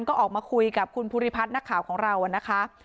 ก็ออกมาคุยกับคุณภูริพัฒน์นักข่าวของเรานะคะ